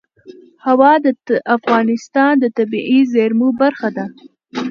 هوا د افغانستان د طبیعي زیرمو برخه ده.